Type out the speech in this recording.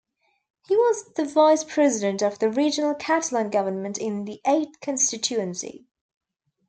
He was the Vice President of the Regional Catalan Government in the eighth constituency.